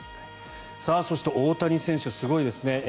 そして、大谷選手すごいですね。